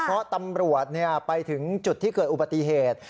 เพราะตำรวจไปถึงจุดที่เกิดอุบัติเหตุ